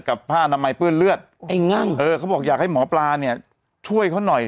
ผ้าอนามัยเปื้อนเลือดไอ้งั่งเออเขาบอกอยากให้หมอปลาเนี่ยช่วยเขาหน่อย